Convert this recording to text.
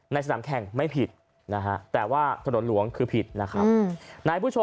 สนามแข่งไม่ผิดนะฮะแต่ว่าถนนหลวงคือผิดนะครับ